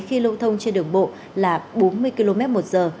khi lưu thông trên đường bộ là bốn mươi km một giờ